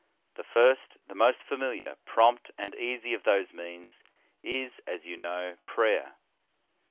The first, the most familiar, prompt and easy of those means, is, as you know, prayer.